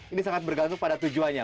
ini sangat bergantung pada tujuannya